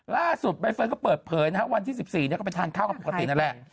ใบเฟิร์นก็เปิดเผยนะฮะวันที่๑๔ก็ไปทานข้าวกันปกตินั่นแหละ